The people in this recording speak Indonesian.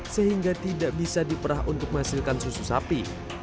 sehingga tidak bisa diperah untuk menghasilkan susu sapi